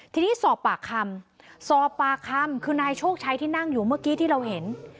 ทีนี้สอบปากคำสอบปากคำคือนายโชคชัยที่นั่งอยู่เมื่อกี้ที่เราเห็น